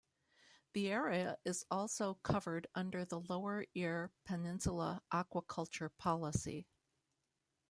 The area is also covered under the "Lower Eyre Peninsula Aquaculture Policy".